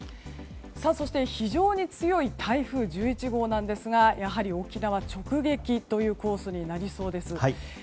そして非常に強い台風１１号ですがやはり沖縄直撃というコースになりそうです。